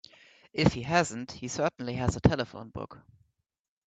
If he hasn't he certainly has a telephone book.